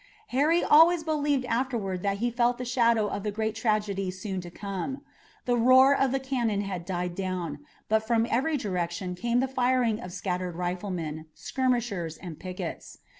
Harry always believed afterward that he felt the shadow of the great tragedy soon to come. The roar of the cannon had died down, but from every direction came the firing of scattered riflemen, skirmishers and pickets.